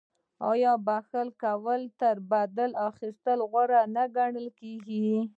آیا بخښنه کول تر بدل اخیستلو غوره نه ګڼل کیږي؟